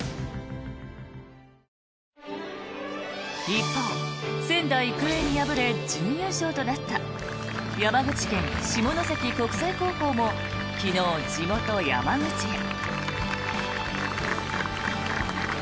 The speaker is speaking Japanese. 一方、仙台育英に敗れ準優勝となった山口県・下関国際高校も昨日、地元・山口へ。